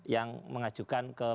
yang mengajukan ke pprd